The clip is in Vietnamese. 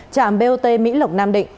trạm bot mỹ lộc nam định